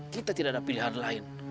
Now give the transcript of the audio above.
kita tidak ada pilihan lain